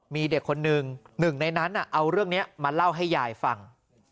มีเด็กคนหนึ่งหนึ่งในนั้นเอาเรื่องนี้มาเล่าให้ยายฟัง